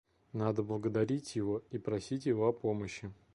Надо благодарить Его и просить Его о помощи.